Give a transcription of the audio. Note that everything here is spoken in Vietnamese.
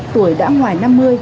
tuổi đã ngoài năm mươi sáu mươi